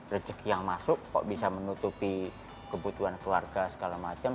rezeki yang masuk kok bisa menutupi kebutuhan keluarga segala macam